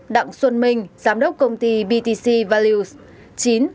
tám đặng xuân minh giám đốc công ty btc values